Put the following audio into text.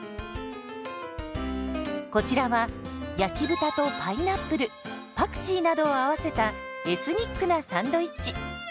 こちらは焼き豚とパイナップルパクチーなどを合わせたエスニックなサンドイッチ。